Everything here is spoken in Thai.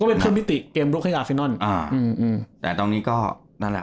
ก็เป็นเพิ่มพิธีเกมรุกให้อฟินอนอ่าอืออือแต่ตรงนี้ก็นั่นแหละ